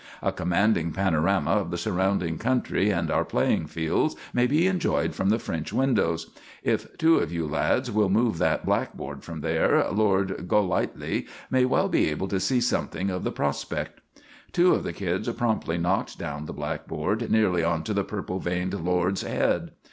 A commanding panorama of the surrounding country and our playing fields may be enjoyed from the French windows. If two of you lads will move that black board from there, Lord Golightly may be able to see something of the prospect." Two of the kids promptly knocked down the black board nearly onto the purple veined lord's head.